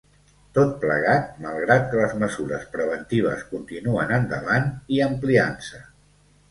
Tot plegat, malgrat que les mesures preventives continuen endavant i ampliant-se.